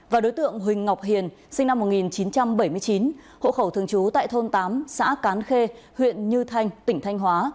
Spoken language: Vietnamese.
và đối tượng huỳnh ngọc hiền sinh năm một nghìn chín trăm bảy mươi chín hộ khẩu thường trú tại thôn tám xã cán khê huyện như thanh tỉnh thanh hóa